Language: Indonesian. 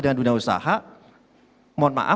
dengan dunia usaha